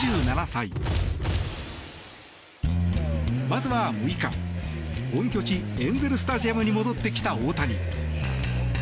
まずは６日、本拠地エンゼル・スタジアムに戻ってきた大谷。